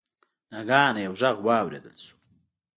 ناګهانه یو غږ واوریدل شو.